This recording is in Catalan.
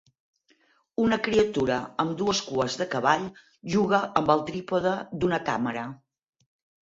Una criatura amb dues cues de cavall juga amb el trípode d'una càmera.